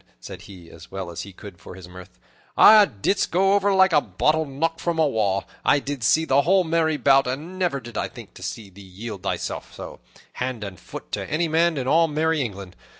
said he, as well as he could for his mirth, "'a didst go over like a bottle knocked from a wall. I did see the whole merry bout, and never did I think to see thee yield thyself so, hand and foot, to any man in all merry England.